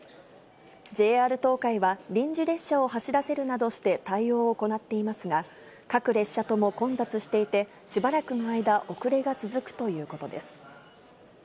ＪＲ東海は、臨時列車を走らせるなどして対応を行っていますが、各列車とも混雑していて、しばらくの間、遅れが続くということです。